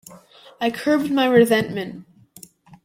I curbed my resentment.